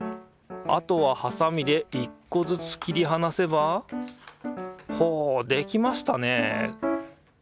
あとはハサミで１個ずつ切りはなせばほうできましたね。